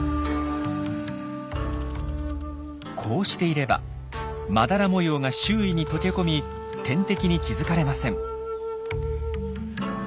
こうしていればまだら模様が周囲に溶け込み天敵に気付かれません。